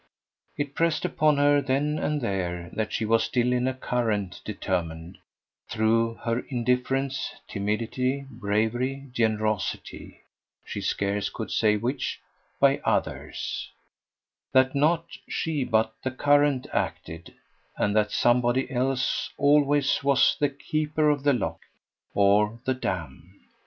It pressed upon her then and there that she was still in a current determined, through her indifference, timidity, bravery, generosity she scarce could say which by others; that not she but the current acted, and that somebody else always was the keeper of the lock or the dam.